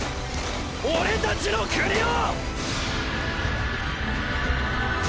俺たちの国を！！